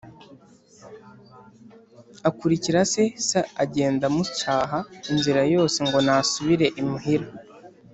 akurikira se, se agenda amucyaha inzira yose ngo nasubire imuhira;